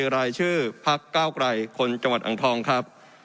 รายชื่อพักเก้าไกลคนจังหวัดอังทองครับ